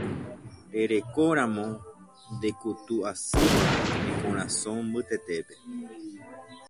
Rerekóramo ndekutu'asýva ne korasõ mbytetépe.